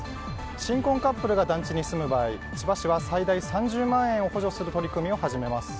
新婚カップルが団地に住む場合千葉市は最大３０万円を補助する取り組みを始めます。